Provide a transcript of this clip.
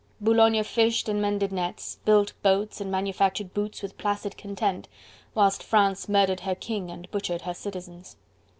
Boulogne fished and mended nets, built boats and manufactured boots with placid content, whilst France murdered her king and butchered her citizens.